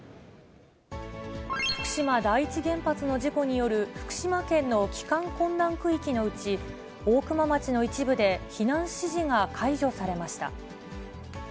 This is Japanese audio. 福島第一原発の事故による福島県の帰還困難区域のうち、大熊町の一部で避難指示が解除されました。